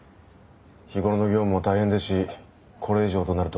日頃の業務も大変ですしこれ以上となると。